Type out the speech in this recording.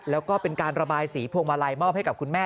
แล้วก็เป็นการระบายสีพวงมาลัยมอบให้กับคุณแม่